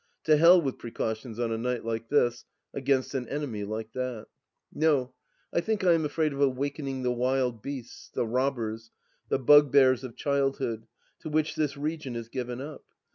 To Hell with precautions on a night like this, against an ememy like that 1 No ; I think I am afraid of awakening the wild beasts, the robbers, the bugbears of childhood, to which this region is given up.